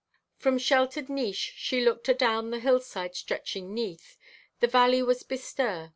From sheltered niche she looked adown the hillside stretching 'neath. The valley was bestir.